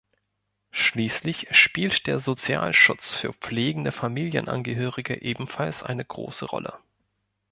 Schließlich spielt der Sozialschutz für pflegende Familienangehörige ebenfalls eine große Rolle.